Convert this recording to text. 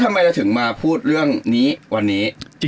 ทำไมเราถึงมาพูดเรื่องนี้วันนี้